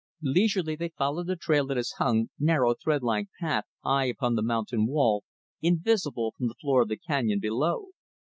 Leisurely, they followed the trail that is hung narrow thread like path high upon the mountain wall, invisible from the floor of the canyon below.